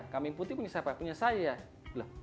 kambing putih ini siapa punya saya